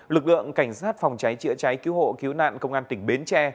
lực lượng cảnh sát phòng cháy chữa cháy cứu hộ cứu nạn công an tỉnh bến tre